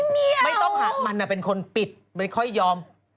ไม่ต้องค่ะมันเป็นคนปิดไม่ค่อยยอม